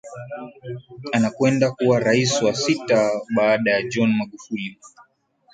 Anakwenda kuwa Rais wa Sita baada ya John Magufuli